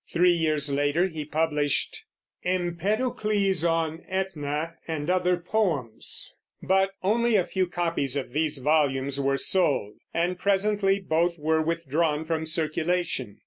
Three years later he published Empedocles on Etna and other Poems; but only a few copies of these volumes were sold, and presently both were withdrawn from circulation.